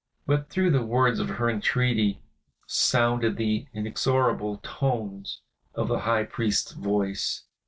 But through the words of her entreaty sounded the inexorable tones of the High Priest's voice.